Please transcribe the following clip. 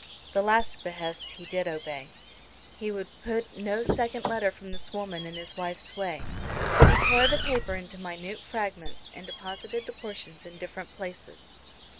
The last behest he did obey. He would put no second letter from this woman in his wife's way. He tore the paper into minute fragments, and deposited the portions in different places.